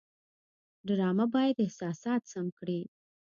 ډرامه باید احساسات سم کړي